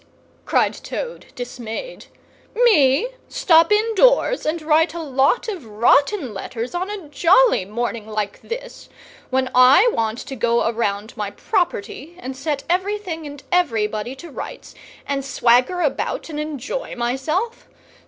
cried Toad, dismayed. "Me stop indoors and write a lot of rotten letters on a jolly morning like this, when I want to go around my property, and set everything and everybody to rights, and swagger about and enjoy myself!